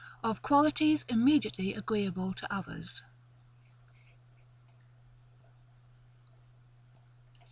OF QUALITIES IMMEDIATELY AGREEABLE TO OTHERS.